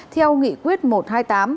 theo nghị quyết một trăm hai mươi tám